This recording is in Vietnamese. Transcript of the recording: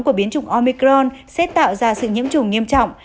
của biến chủng omicron sẽ tạo ra sự nhiễm chủng nghiêm trọng